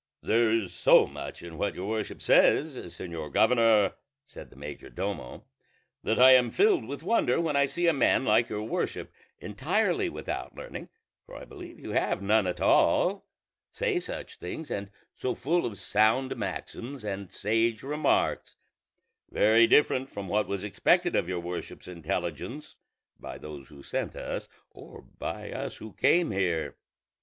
"There is so much in what your worship says, señor governor," said the major domo, "that I am filled with wonder when I see a man like your worship, entirely without learning (for I believe you have none at all), say such things, and so full of sound maxims and sage remarks, very different from what was expected of your worship's intelligence by those who sent us or by us who came here.